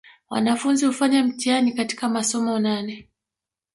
Wanafunzi hufanya mtihani katika masomo nane